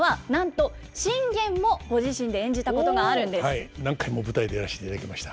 はい何回も舞台でやらせていただきました。